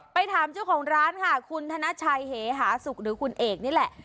ไปถามอาจารย์ก้าของร้านคุณทานาชัยเฮฐาสุกหรือคุณเอกนี่แหละ